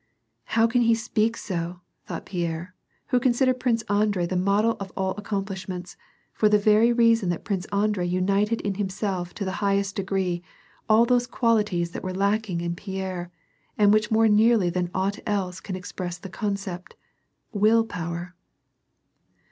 " How can he speak so !" thought Pierre, who considered Prince Andrei the model of all accomplishments, for the very reason that Prince Andrei united in himself to the highest degree, all those qualities that were lacking in Pierre, and which more nearly than aught else can express the concept : will power.